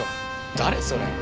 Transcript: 誰それ？